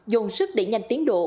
dồn sức để nhanh tiến độ